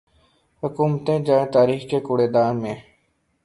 حکومتیں جائیں تاریخ کے کوڑے دان میں۔